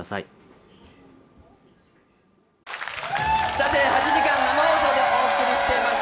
さて８時間生放送でお送りしています